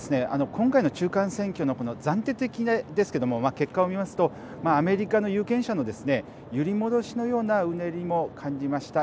今回のこの中間選挙の暫定的ですけれども結果を見ますとアメリカの有権者のですね揺り戻しのようなうねりも感じました。